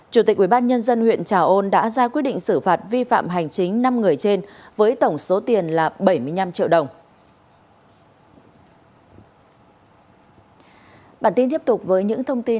chủ tịch ubnd huyện trà ôn đã ra quyết định xử phạt vi phạm hành chính năm người trên với tổng số tiền là bảy mươi năm triệu đồng